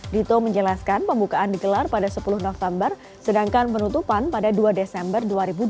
dito menjelaskan pembukaan digelar pada sepuluh november sedangkan penutupan pada dua desember dua ribu dua puluh